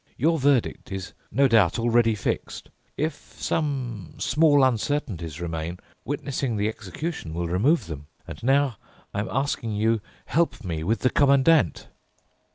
Your verdict is no doubt already fixed. If some small uncertainties remain, witnessing the execution will remove them. And now I'm asking you—help me with the Commandant!"